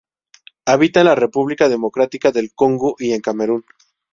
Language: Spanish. Habita en la República Democrática del Congo y en Camerún.